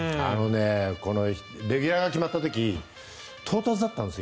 このレギュラーが決まった時唐突だったんですよ。